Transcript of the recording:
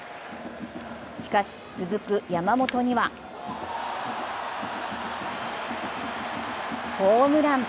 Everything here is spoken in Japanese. しかし、続く山本にはホームラン。